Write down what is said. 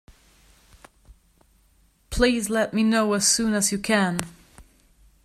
Please let me know as soon as you can